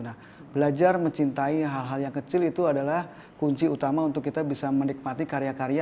nah belajar mencintai hal hal yang kecil itu adalah kunci utama untuk kita bisa menikmati karya karya